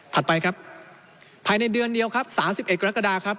ไปครับภายในเดือนเดียวครับ๓๑กรกฎาครับ